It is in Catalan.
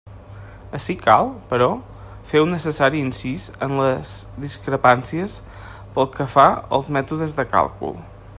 Ací cal, però, fer un necessari incís en les discrepàncies pel que fa als mètodes de càlcul.